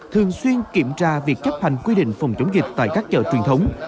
thường xuyên kiểm tra việc chấp hành quy định phòng chống dịch tại các chợ truyền thống